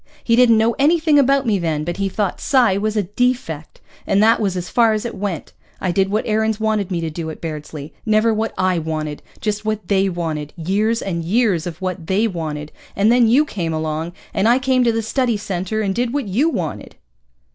He didn't know anything about me then, but he thought psi was a defect. And that was as far as it went. I did what Aarons wanted me to do at Bairdsley. Never what I wanted, just what they wanted, years and years of what they wanted. And then you came along, and I came to the Study Center and did what you wanted."